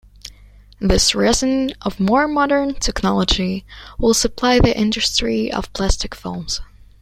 This resin, of more modern technology, will supply the industry of plastic films.